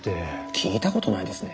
聞いたことないですね。